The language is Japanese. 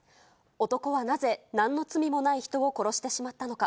男はなぜ、何の罪のない人を殺してしまったのか。